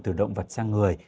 từ động vật sang người